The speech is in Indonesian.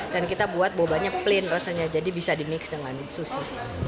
dan kita buat bobanya plain rasanya jadi bisa dimix dengan sushi